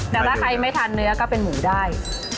แต่ถ้าใครไม่ทานเนื้อก็เป็นหมูได้